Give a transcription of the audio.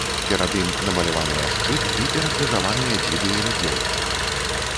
Перад ім намаляваныя шчыт і перакрыжаваныя дзіды і рыдлёўка.